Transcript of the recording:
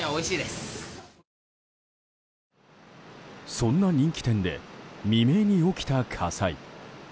そんな人気店で未明に起きた火災。